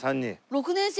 ６年生。